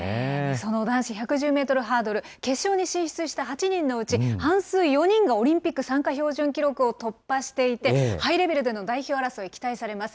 その男子１１０メートルハードル、決勝に出場した８人のうち、半数４人がオリンピック参加標準記録を突破していて、ハイレベルでの代表争い、期待されます。